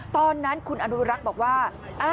ตอนนั้นคุณอนุรักษ์บอกว่า